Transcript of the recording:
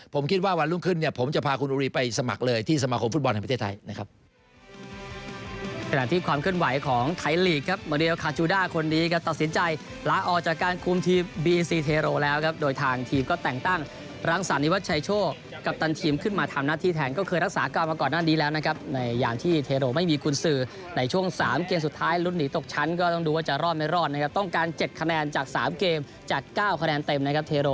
ผมคิดว่าวันรุ่งขึ้นเนี่ยผมจะพาคุณบุรีไปสมัครเลยที่สมาคมฟุตบอลแห่งประเทศไทยนะครับ